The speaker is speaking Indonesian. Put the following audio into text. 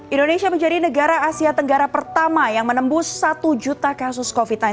indonesia menjadi negara asia tenggara pertama yang menembus satu juta kasus covid sembilan belas